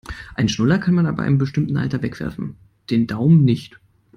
Einen Schnuller kann man ab einem bestimmten Alter wegwerfen, den Daumen nicht.